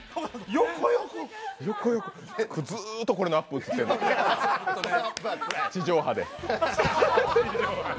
ずーっとこれのアップ映ってんの地上波で。